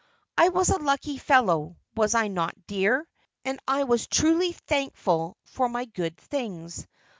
"I was a lucky fellow, was I not, dear? and I was truly thankful for my good things.